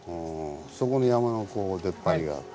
そこに山の出っ張りがあって。